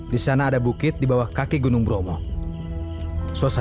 dan setuju saja